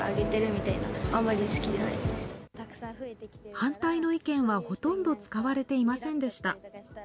反対の意見はほとんど使われていませんでした。